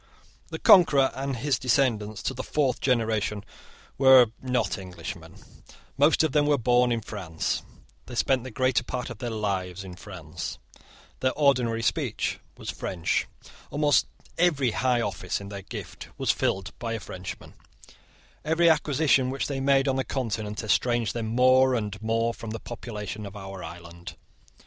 The Conqueror and his descendants to the fourth generation were not Englishmen: most of them were born in France: they spent the greater part of their lives in France: their ordinary speech was French: almost every high office in their gift was filled by a Frenchman: every acquisition which they made on the Continent estranged them more and more from the population of our island.